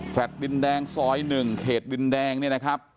แฟลต์ดินแดงซ้อยหนึ่งเขตดินแดงเนี่ยนะครับ